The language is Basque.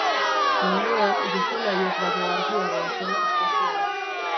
Muinean, gizon haiek baino argiagoa zela uste zuen.